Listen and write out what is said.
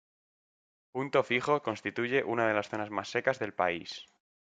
Punto Fijo constituye una de las zonas más secas del país.